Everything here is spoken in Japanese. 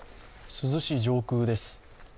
珠洲市上空です。